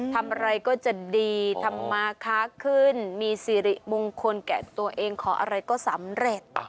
ทำอะไรก็จะดีทำมาค้าขึ้นมีสิริมงคลแก่ตัวเองขออะไรก็สำเร็จ